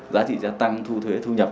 giá trị sẽ tăng thu thuế thu nhập